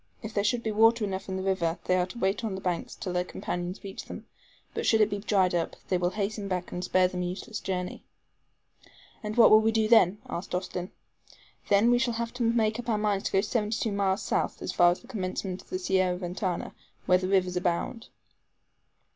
If there should be water enough in the river, they are to wait on the banks till their companions reach them; but should it be dried up, they will hasten back and spare them a useless journey." "And what will we do then?" asked Austin. "Then we shall have to make up our minds to go seventy two miles south, as far as the commencement of the Sierra Ventana, where rivers abound."